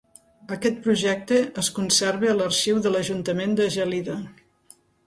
Aquest projecte es conserva a l'arxiu de l'Ajuntament de Gelida.